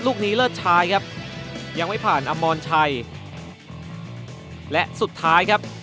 ลูกนี้เลิศชายครับยังไม่ผ่านอมรชัยและสุดท้ายครับ